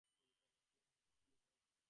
পরিচালক কিম, কী হয়েছে?